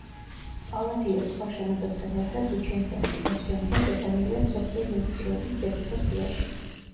პალადიოს სხვა შენობებთან ერთად ვიჩენცაში, ეს შენობა შეტანილია მსოფლიო მემკვიდრეობის ძეგლთა სიაში.